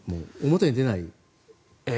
表に出ない。